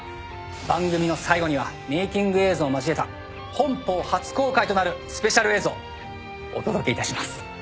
番組の最後にはメイキング映像を交えた本邦初公開となるスペシャル映像お届けいたします。